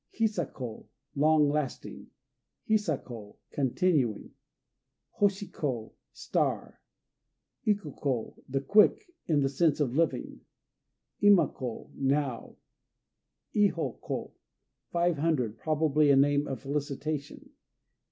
Hisa ko "Long lasting." Hisa ko "Continuing." Hoshi ko "Star." Iku ko "The Quick," in the sense of living. Ima ko "Now." Iho ko "Five Hundred," probably a name of felicitation.